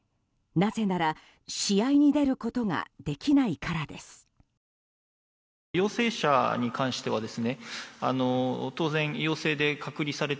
なぜなら、試合に出ることができないからです。